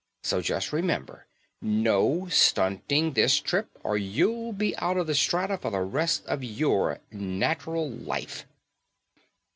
So just remember no stunting this trip or you'll be out of the strata for the rest of your natural life."